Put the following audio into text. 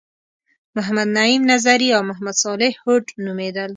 محمد نعیم نظري او محمد صالح هوډ نومیدل.